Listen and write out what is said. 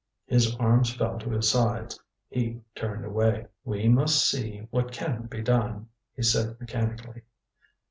His arms fell to his sides. He turned away. "We must see what can be done," he said mechanically.